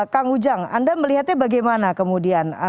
kang ujang anda melihatnya bagaimana kemudian